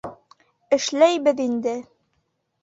Эшләйбеҙ инде.